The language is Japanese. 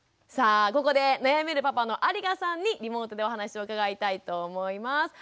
さあここで悩めるパパの有我さんにリモートでお話を伺いたいと思います。